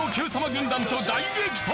軍団と大激突！